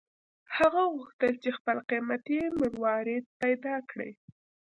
هغه غوښتل چې خپل قیمتي مروارید پیدا کړي.